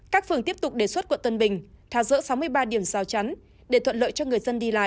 các phường tiếp tục đề xuất quận tân bình phá rỡ sáu mươi ba điểm giao chắn để thuận lợi cho người dân đi lại